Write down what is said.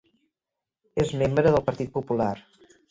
És membre del Partit Popular.